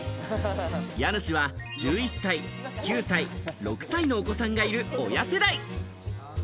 家主は１１歳、９歳、６歳のお子さんがいる親世代。